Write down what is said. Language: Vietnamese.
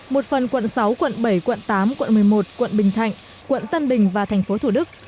một phần quận sáu quận bảy quận tám quận một mươi một quận bình thạnh quận tân bình và tp thủ đức